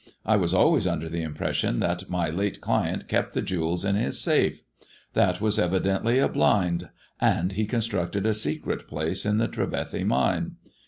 " I was always under the impression that my late client kept the jewels in his safe. That was evidently a blind, and he constructed a secret place in the Trevethy Mine.